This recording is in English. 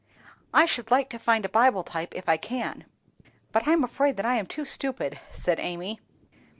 "I should like to find a Bible type if I could, but I'm afraid that I am too stupid," said Amy.